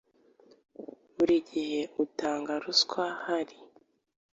Buri gihe utanga ruswa hari